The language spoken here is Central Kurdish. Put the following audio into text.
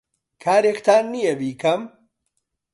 کارێکتان نییە بیکەم؟